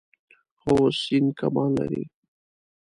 هو، سیند کبان لري